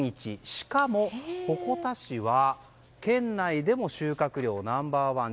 しかも、鉾田市は県内でも収穫量ナンバーワン。